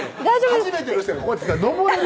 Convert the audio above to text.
初めての人がこうやって上れる？